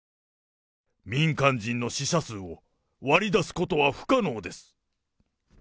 民間人の死者数を割り出すことは不可能です。